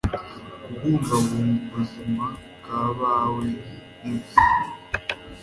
Kubungabunga ubuzima bwabawe nibizima